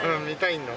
見たい。